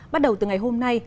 bắt đầu từ ngày hôm nay